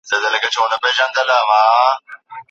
خپل پام یوازي په خپلو هدفونو باندي وساتئ.